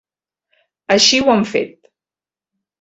Així ho hem fet.